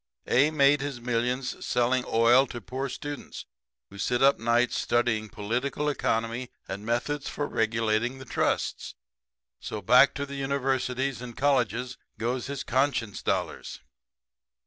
A made his millions selling oil to poor students who sit up nights studying political economy and methods for regulating the trusts. So, back to the universities and colleges goes his conscience dollars.